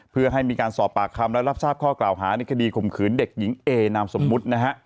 เพื่อให้มีการสอบปากคำและรับทราบข้อกล่าวหาในคดีข่มขืนเด็กหญิงเอนามสมมุตินะฮะ